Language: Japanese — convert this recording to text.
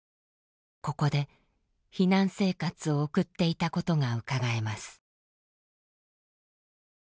ここで避難生活を送っていたことがうかがえます。